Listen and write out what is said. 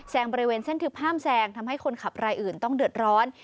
บริเวณเส้นทึบห้ามแซงทำให้คนขับรายอื่นต้องเดือดร้อน